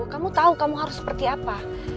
kamu tahu kamu harus seperti apa